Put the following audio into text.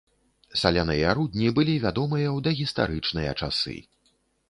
Саляныя рудні былі вядомыя ў дагістарычныя часы.